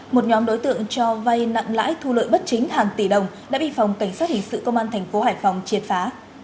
một nhóm đối tượng cho vay nặng lãi thu lợi bất chính hàng tỷ đồng đã bị phòng cảnh sát hình sự công an thành phố hải phòng triệt phá